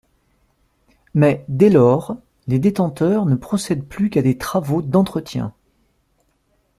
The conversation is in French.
Mais dès lors, les détenteurs ne procèdent plus qu'à des travaux d'entretien.